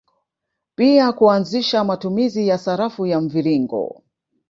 Pia kuanzisha matumizi ya sarafu ya mviringo